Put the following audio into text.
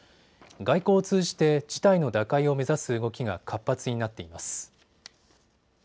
外交を通じて事態の打開を目指す動きが活発になっています。